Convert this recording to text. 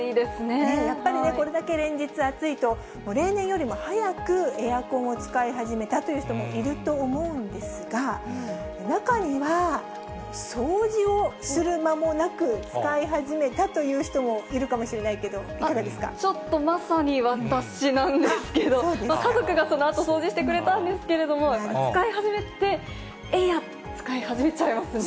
やっぱりね、これだけ連日暑いと、例年よりも早くエアコンを使い始めたという人もいると思うんですが、中には、掃除をする間もなく使い始めたという人もいるかもしれないけど、ちょっとまさに私なんですけど、家族がそのあと掃除してくれたんですけれども、使い始めって、えいやって使い始めちゃいますね。